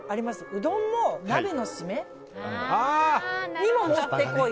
うどんも鍋の締めにももってこい。